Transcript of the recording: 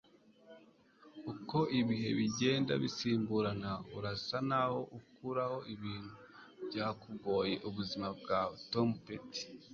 uko ibihe bigenda bisimburana, urasa naho ukuraho ibintu byakugoye ubuzima bwawe. - tom petty